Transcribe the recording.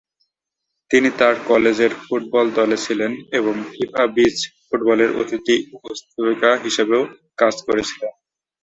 তিনি তার কলেজের ফুটবল দলে ছিলেন এবং ফিফা বিচ ফুটবলের অতিথি উপস্থাপিকা হিসেবেও কাজ করেছিলেন।